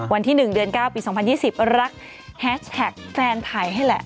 วันที่๑เดือน๙ปี๒๐๒๐รักแฮชแท็กแฟนถ่ายให้แหละ